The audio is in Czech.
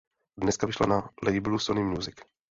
Deska vyšla na labelu Sony Music.